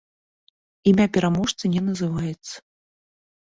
Імя пераможцы не называецца.